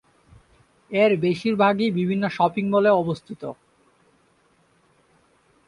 এর বেশিরভাগই বিভিন্ন শপিং মলে অবস্থিত।